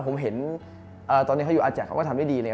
ผมเห็นตอนนี้เขาอยู่อาแจกเขาก็ทำได้ดีเลย